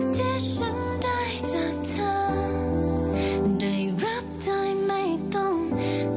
ที่ฉันได้จากเธอได้รับโดยไม่ต้องขอ